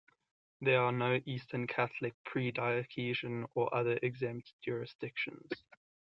There are no Eastern Catholic, pre-diocesan or other exempt jurisdictions.